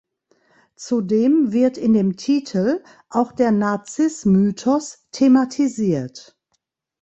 Zu dem wird in dem Titel auch der Narziss-Mythos thematisiert.